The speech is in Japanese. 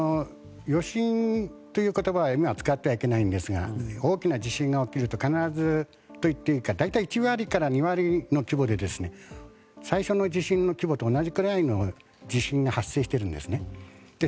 余震という言葉は今は使ってはいけないんですが大きな地震が起きると必ずと言っていいか大体１割から２割の規模で最初の地震の規模と同じくらいの地震が発生しているんですね。